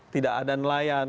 tidak ada nelayan